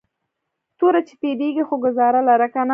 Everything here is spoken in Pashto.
توره چې تیرېږي خو گزار لره کنه